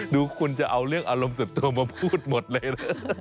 ดูคุณจะเอาเรื่องอารมณ์ส่วนตัวมาพูดหมดเลยนะ